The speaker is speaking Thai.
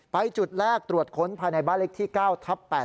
จุดแรกตรวจค้นภายในบ้านเลขที่๙ทับ๘๘